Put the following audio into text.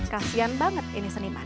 kasian banget ini seniman